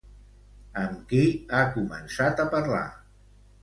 Amb qui ha començat a parlar?